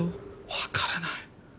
分からない。